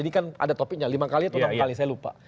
jadi kan ada topiknya lima kalinya tuang kali saya lupa